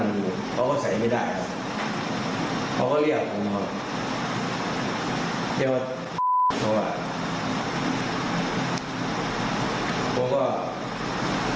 เพื่อเข้าไปเช็ดหัวจระให้เขามือผมที่โดนเอาไว้ในก่อน